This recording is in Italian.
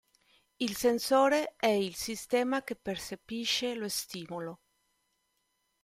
Il sensore è il sistema che percepisce lo stimolo.